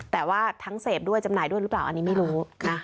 แต่ว่าทั้งเสพด้วยจำหน่ายด้วยหรือเปล่าอันนี้ไม่รู้นะ